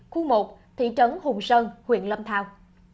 khu một thị trấn hùng sơn huyện lâm thao